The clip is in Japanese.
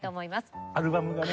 アルバムがね